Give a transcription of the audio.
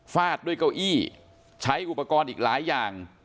ฟาดด้วยเก้าอี้ใช้อุปกรณ์อีกหลายอย่าง